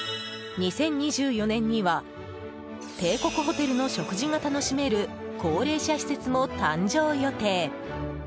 ２０２４年には帝国ホテルの食事が楽しめる高齢者施設も誕生予定。